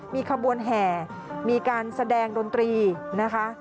มีขบวนแห่มีการแสดงดนตรีนะคะ